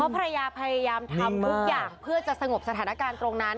ภรรยาพยายามทำทุกอย่างเพื่อจะสงบสถานการณ์ตรงนั้น